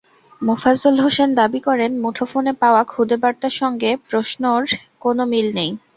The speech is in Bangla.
মোফাজ্জল হোসেন দাবি করেন, মুঠোফোনে পাওয়া খুদে বার্তার সঙ্গে প্রশ্নের কোনো মিল নেই।